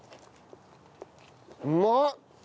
うまっ！